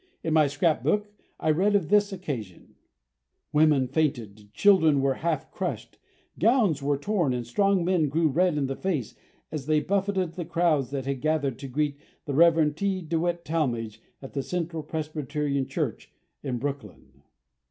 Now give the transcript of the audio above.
In my scrapbook I read of this occasion: "Women fainted, children were half crushed, gowns were torn and strong men grew red in the face as they buffeted the crowds that had gathered to greet the Rev. T. DeWitt Talmage at the Central Presbyterian Church in Brooklyn."